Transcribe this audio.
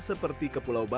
seperti kepulauan indonesia